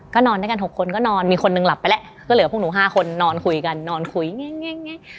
ก็นอนด้วยกัน๖คนก็นอนมีคนหนึ่งหลับไปแล้วก็เหลือพวกหนู๕คนนอนคุยกันนอนคุยแง่ง